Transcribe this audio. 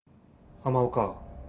浜岡。